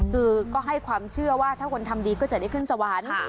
คือก็ให้ความเชื่อว่าถ้าคนทำดีก็จะได้ขึ้นสวรรค์